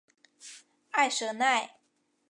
埃舍奈。